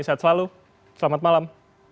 sehat selalu selamat malam